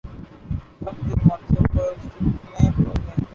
سب کے ماتھے پر شکنیں پڑ گئیں